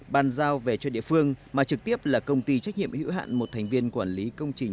bàn giao về cho địa phương mà trực tiếp là công ty trách nhiệm hữu hạn một thành viên quản lý công trình